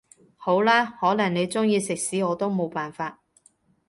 好啦，可能你鍾意食屎我都冇辦法